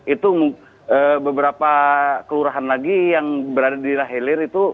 itu beberapa kelurahan lagi yang berada di hilir itu